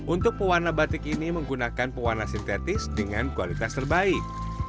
untuk pewarna batik ini menggunakan pewarna sintetis dengan kualitas terbaik